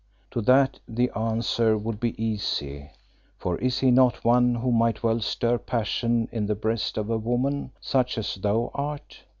"To that the answer would be easy, for is he not one who might well stir passion in the breast of a woman such as thou art?